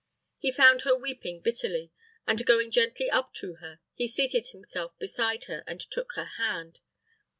He found her weeping bitterly; and going gently up to her, he seated himself beside her and took her hand.